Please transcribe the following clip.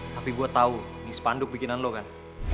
tapi gue tahu ini sepanduk bikinan lo kan